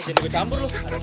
eh jangan ikut campur loh